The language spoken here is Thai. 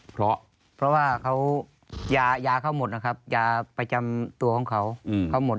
เพราะว่าเขายายาเขาหมดนะครับยาประจำตัวของเขาเขาหมด